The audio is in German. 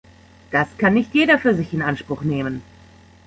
Das kann nicht jeder für sich in Anspruch nehmen.